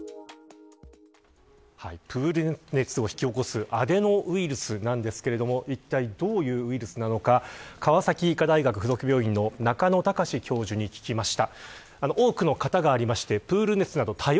プール熱を引き起こすアデノウイルスなんですがいったいどういうウイルスなのか川崎医科大学附属病院の中野貴司さんに聞きました。